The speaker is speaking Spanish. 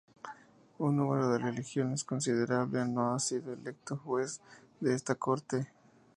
Un número de religiones considerable no ha sido electo juez de esta corte.